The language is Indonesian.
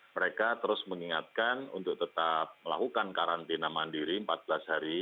mereka terus mengingatkan untuk tetap melakukan karantina mandiri empat belas hari